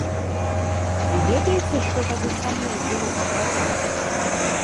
Вы ведаеце, што тады са мной было па дарозе?